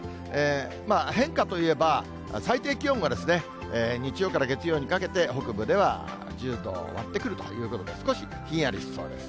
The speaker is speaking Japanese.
まあ、変化といえば、最低気温が日曜から月曜にかけて、北部では１０度を割ってくるということで、少しひんやりしそうです。